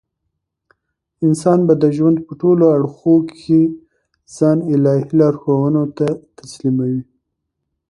انسان به د ژوند په ټولو اړخو کښي ځان الهي لارښوونو ته تسلیموي.